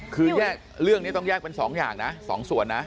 คือแยกเรื่องนี้ต้องแยกเป็น๒อย่างนะ๒ส่วนนะ